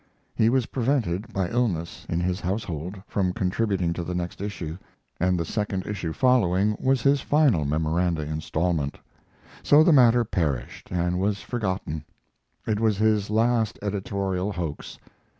He was prevented, by illness in his household, from contributing to the next issue, and the second issue following was his final "Memoranda" installment. So the matter perished and was forgotten. It was his last editorial hoax.